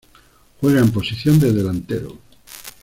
Juega en posición de delantero.